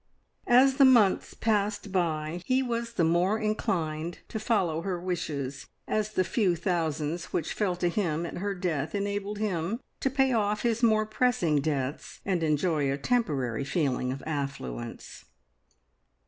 As the months passed by, he was the more inclined to follow her wishes, as the few thousands which fell to him at her death enabled him to pay off his more pressing debts and enjoy a temporary feeling of affluence.